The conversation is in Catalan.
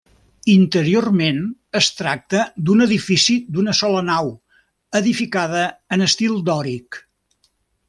Interiorment es tracta d'un edifici d'una sola nau edificada en estil dòric.